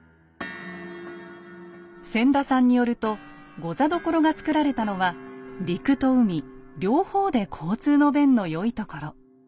千田さんによると御座所が造られたのは陸と海両方で交通の便の良いところ。